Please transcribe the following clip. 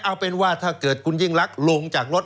เอาเป็นว่าถ้าเกิดคุณยิ่งลักษณ์ลงจากรถ